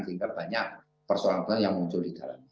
sehingga banyak persoalan persoalan yang muncul di dalam